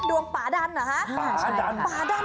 ดวงป่าดันเหรอฮะ